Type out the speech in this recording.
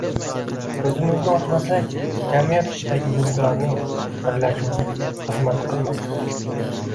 ko‘zimizni ochmasak, jamiyat ichidagi guruhlarning birlashuviga xizmat qilmasak